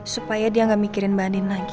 supaya dia gak mikirin mbak andin lagi